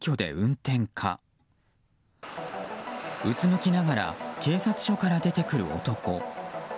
うつむきながら警察署から出てくる男。